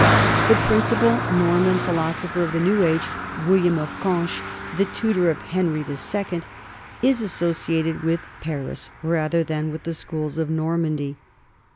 The principal Norman phi losopher of the new age, William of Conches, the tutor of Henry II, is associated with Paris rather than with the schools of Normandy.